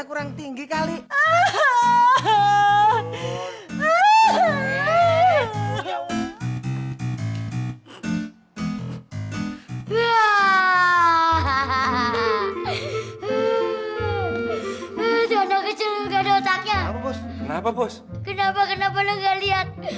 kenapa bos kenapa kenapa lo gak liat